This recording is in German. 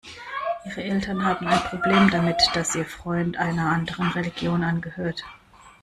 Ihre Eltern haben ein Problem damit, dass ihr Freund einer anderen Religion angehört.